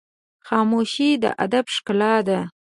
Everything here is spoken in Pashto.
خاموشي، د ادب ښکلا ده.